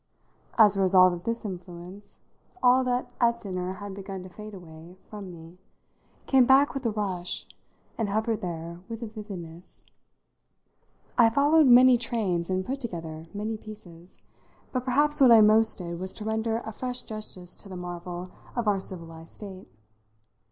As a result of this influence all that at dinner had begun to fade away from me came back with a rush and hovered there with a vividness. I followed many trains and put together many pieces; but perhaps what I most did was to render a fresh justice to the marvel of our civilised state.